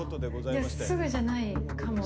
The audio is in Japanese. すぐじゃないかも。